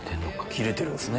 切れてるんすね。